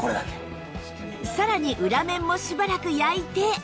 さらに裏面もしばらく焼いて